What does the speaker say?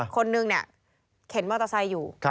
คนนึงเนี่ยเข็นมอเตอร์ไซค์อยู่